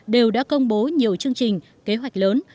đều đã công bố nhiều chương trình kế hoạch lớn